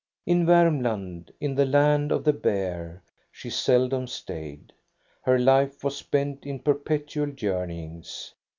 In Varmland, in the land of the bear, she seldom stayed. Her life was spent in perpetual journeyings.